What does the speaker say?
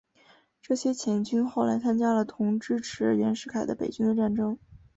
这些黔军后来参加了同支持袁世凯的北军的战争。